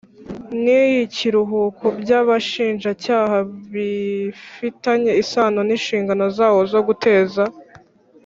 n iy ikiruhuko by abashinjacyaha bifitanye isano n ishingano zawo zo guteza